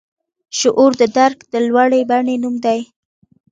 شعور د درک د لوړې بڼې نوم دی.